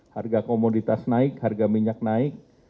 harga komoditas naik harga minyak naik